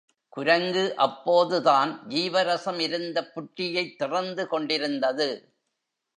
குரங்கு அப்போது தான் ஜீவரசம் இருந்த புட்டியைத் திறந்து கொண்டிருந்தது.